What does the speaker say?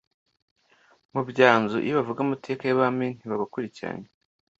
mu byanzu, iyo bavuga amateka y'abami ntibabakurikiranya